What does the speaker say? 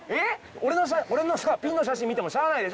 俺のさピンの写真見てもしゃあないでしょ。